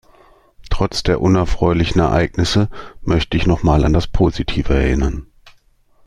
Trotz der unerfreulichen Ereignisse, möchte ich noch mal an das Positive erinnern.